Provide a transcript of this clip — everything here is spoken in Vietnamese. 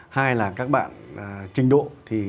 hai là các bạn trình độ thì